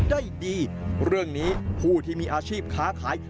ได้ดีเรื่องนี้ผู้ที่มีอาชีพค้าขาย